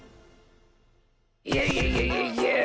イエイイエイイエイイエイ！